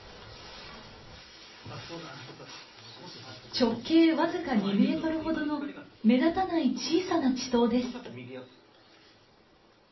直径僅か２メートルほどの目立たない小さな池溏です。